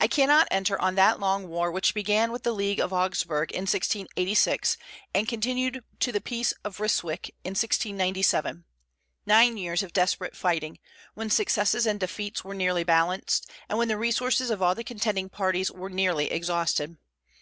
I cannot enter on that long war which began with the League of Augsburg in 1686, and continued to the peace of Ryswick in 1697, nine years of desperate fighting, when successes and defeats were nearly balanced, and when the resources of all the contending parties were nearly exhausted.